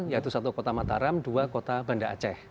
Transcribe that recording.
yaitu satu kota mataram dua kota banda aceh